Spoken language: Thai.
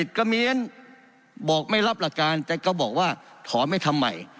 กระเมียนบอกไม่รับหลักการแต่ก็บอกว่าถอนไม่ทำใหม่